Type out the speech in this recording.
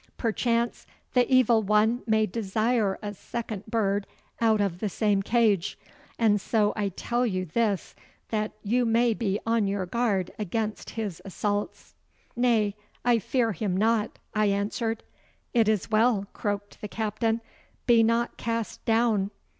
Perchance the Evil One may desire a second bird out of the same cage, and so I tell you this that you may be on your guard against his assaults.' 'Nay, I fear him not,' I answered. 'It is well,' croaked the Captain. 'Be not cast down!